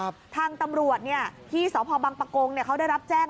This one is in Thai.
ทางตำรวจเนี่ยที่สพบังปะโกงเนี่ยเขาได้รับแจ้ง